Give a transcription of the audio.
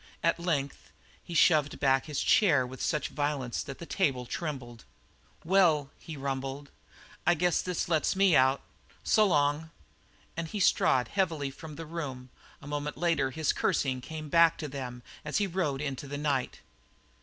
At length he shoved back his chair with such violence that the table trembled. "Well," he rumbled, "I guess this lets me out. S'long." And he strode heavily from the room; a moment later his cursing came back to them as he rode into the night.